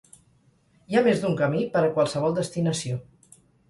Hi ha més d'un camí per a qualsevol destinació.